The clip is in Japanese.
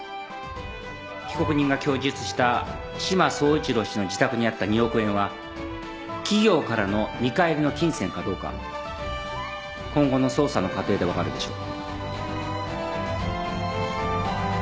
被告人が供述した志摩総一郎氏の自宅にあった２億円は企業からの見返りの金銭かどうか今後の捜査の過程で分かるでしょう。